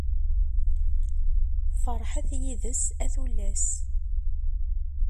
Ferḥet yid-s, a tullas!